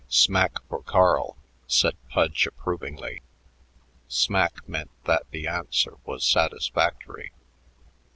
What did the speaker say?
Smack for Carl," said Pudge approvingly. "Smack" meant that the answer was satisfactory.